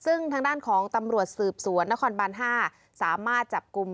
ซึ่งทางด้านของตำรวจสืบสวนนครบาน๕สามารถจับกลุ่ม